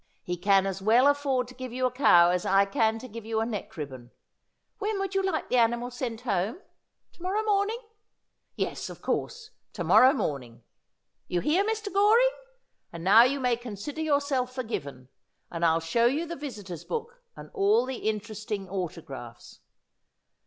He can as well afford to give you a cow as I can to give you a neck ribbon. When would you like the animal sent home ? To morrow morning ? Yes, of course ; to morrow morning. You hear, Mr. Goring ? And now you may consider yourself forgiven, and I'll show you the visitors' book and all the interesting autographs.'